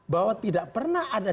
bahwa tidak pernah ada